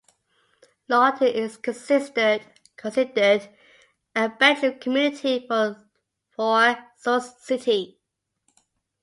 Lawton is considered a bedroom community for Sioux City.